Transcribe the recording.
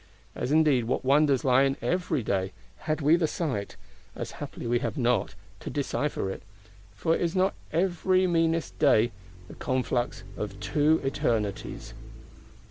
As indeed what wonders lie in every Day,—had we the sight, as happily we have not, to decipher it: for is not every meanest Day "the conflux of two Eternities!"